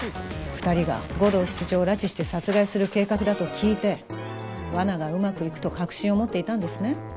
二人が護道室長を拉致して殺害する計画だと聞いてわながうまくいくと確信を持っていたんですね